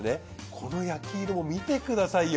この焼き色を見てくださいよ。